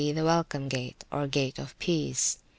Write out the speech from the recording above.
the Welcome Gate, or Gate of Peace.